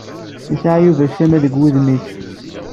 Yesɛa Yuba ccama deg wudem-is.